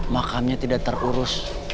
makamnya tidak terurus